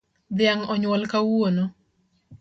Dhiang onyuol kawuono